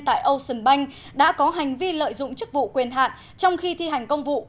tại ocean bank đã có hành vi lợi dụng chức vụ quyền hạn trong khi thi hành công vụ